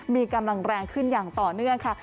มีกำลังแรงขึ้นอย่างต่อเนื่องค่ะ